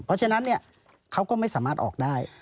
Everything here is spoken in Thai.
เพราะฉะนั้นเขาก็ไม่สามารถออกได้